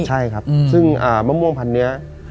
ใช่ครับซึ่งมะม่วงพันนี้